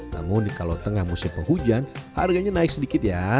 namun kalau tengah musim penghujan harganya naik sedikit ya